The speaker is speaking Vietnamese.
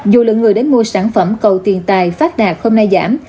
dù lượng người đến mua sản phẩm cầu tiền tài phát đạt hôm nay giảm